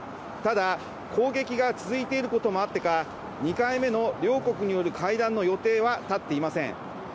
ただ、攻撃が続いていることもあってか、２回目の両国による会談の予定は立っていません。